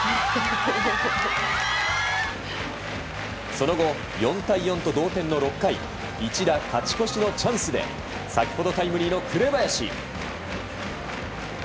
その後、４対４と同点の６回一打勝ち越しのチャンスで先ほどタイムリーの紅林。